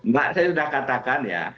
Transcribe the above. mbak saya sudah katakan ya